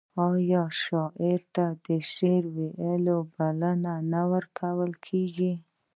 آیا شاعر ته د شعر ویلو بلنه نه ورکول کیږي؟